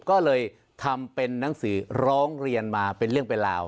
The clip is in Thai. ก็เลยทำเป็นนังสือร้องเรียนมาเป็นเรื่องเป็นราว